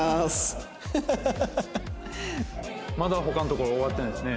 まだ他のところ終わってないですね。